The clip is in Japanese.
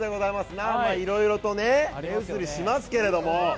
いろいろと目移りしますけれども。